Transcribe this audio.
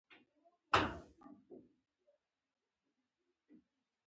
ایا مصنوعي ځیرکتیا د انساني مسؤلیت بار نه زیاتوي؟